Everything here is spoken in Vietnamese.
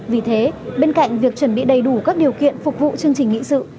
vì thế bên cạnh việc chuẩn bị đầy đủ các điều kiện phục vụ chương trình nghị sự